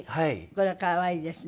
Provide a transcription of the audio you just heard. これは可愛いですね。